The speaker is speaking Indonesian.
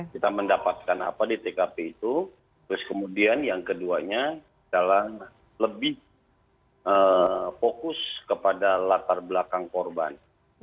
kita mendapatkan apa di tkp itu terus kemudian yang keduanya adalah lebih fokus kepada latar belakang korban